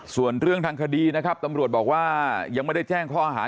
ส่วนเรื่องทางคดีนะครับตำรวจบอกว่ายังไม่ได้แจ้งข้อหา